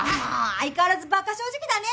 相変わらずバカ正直だね